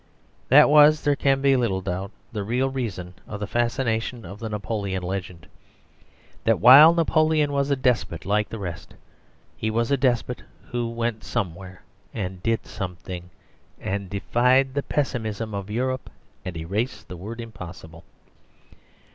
That was, there can be little doubt, the real reason of the fascination of the Napoleon legend that while Napoleon was a despot like the rest, he was a despot who went somewhere and did something, and defied the pessimism of Europe, and erased the word "impossible."